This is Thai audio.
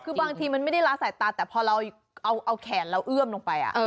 คือบางทีมันไม่ได้ละสายตาแต่พอเราเอาแขนเราเอื้อมลงไป